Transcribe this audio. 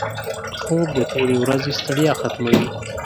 خوب د تېرې ورځې ستړیا ختموي